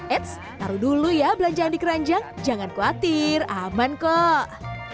eits taruh dulu ya belanjaan di keranjang jangan khawatir aman kok